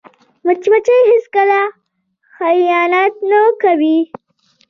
مچمچۍ هیڅکله خیانت نه کوي